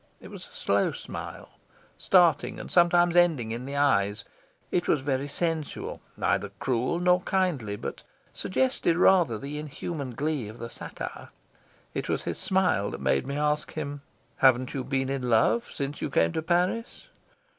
It was a slow smile, starting and sometimes ending in the eyes; it was very sensual, neither cruel nor kindly, but suggested rather the inhuman glee of the satyr. It was his smile that made me ask him: "Haven't you been in love since you came to Paris?"